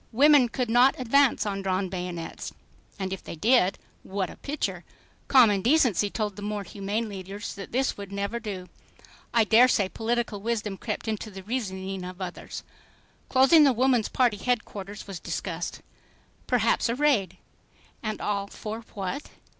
Women could not advance on drawn bayonets. And if they did ... What a picture! Common decency told the more humane leaders that this would never do. I daresay political wisdom crept into the reasoning of others. Closing the Woman's Party headquarters was discussed. Perhaps a raid! And all for what?